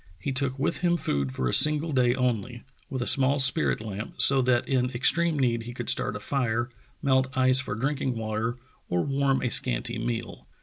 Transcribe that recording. He took with him food for a single day only, with a small spirit lamp so that in extreme need he could start a fire, melt ice for drinking water, or warm a scanty meal.